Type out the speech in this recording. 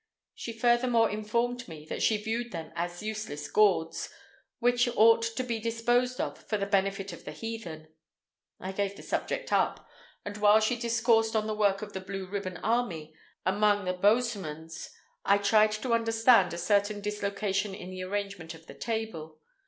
She furthermore informed me that she viewed them as useless gauds, which ought to be disposed of for the benefit of the heathen. I gave the subject up, and while she discoursed of the work of the Blue Ribbon Army among the Bosjesmans I tried to understand a certain dislocation in the arrangement of the table.